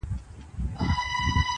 • جاهل اولسه کور دي خراب دی -